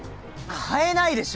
買えないでしょ！